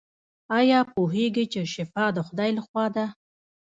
ایا پوهیږئ چې شفا د خدای لخوا ده؟